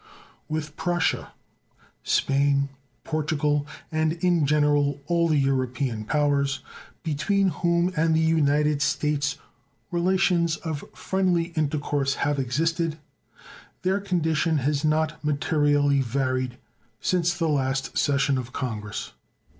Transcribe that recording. With Prussia, Spain, Portugal, and, in general, all the European powers between whom and the United States relations of friendly intercourse have existed their condition has not materially varied since the last session of Congress.